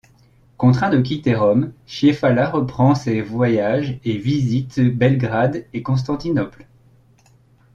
Contraint de quitter Rome, Chiefala reprend ses voyages et visite Belgrade et Constantinople.